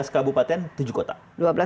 dua belas kabupaten tujuh kota